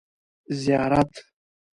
ـ زیارت.